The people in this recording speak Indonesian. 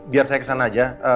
biar saya kesana aja